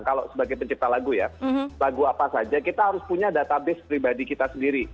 kalau sebagai pencipta lagu ya lagu apa saja kita harus punya database pribadi kita sendiri